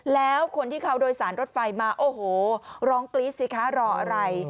แล้วคนที่เขาโดยสารรถไฟมาโอ้โหร้องกรี๊ดสิคะรออะไร